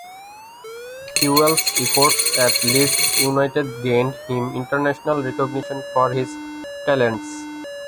Kewell's efforts at Leeds United gained him international recognition for his talents.